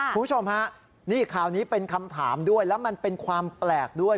คุณผู้ชมฮะนี่ข่าวนี้เป็นคำถามด้วยแล้วมันเป็นความแปลกด้วย